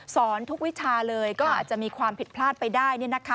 สอนทุกวิชาเลยก็อาจจะมีความผิดพลาดไปได้